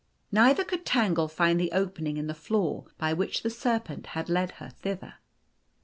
Neither could Tangle find the opening in the floor by which the serpent had led her thither.